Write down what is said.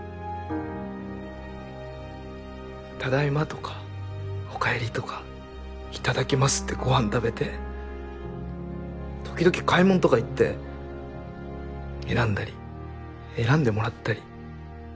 ただいまとかおかえりとかいただきますってご飯食べて時々買いもんとか行って選んだり選んでもらったり。